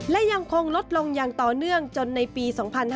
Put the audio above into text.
และยังคงลดลงอย่างต่อเนื่องจนในปี๒๕๕๙